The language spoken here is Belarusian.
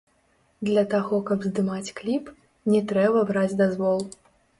Для таго, каб здымаць кліп, не трэба браць дазвол.